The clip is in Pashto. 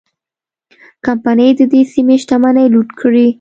کمپنۍ د دې سیمې شتمنۍ لوټ کړې.